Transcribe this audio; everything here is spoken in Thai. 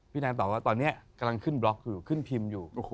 นางตอบว่าตอนนี้กำลังขึ้นบล็อกอยู่ขึ้นพิมพ์อยู่